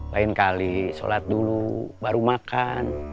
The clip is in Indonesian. lain kali sholat dulu baru makan